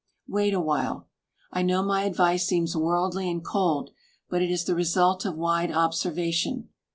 Wait awhile. I know my advice seems worldly and cold, but it is the result of wide observation.